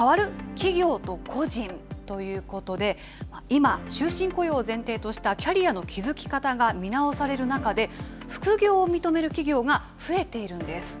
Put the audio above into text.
企業と個人ということで、今、終身雇用を前提としたキャリアの築き方が見直される中で、副業を認める企業が増えているんです。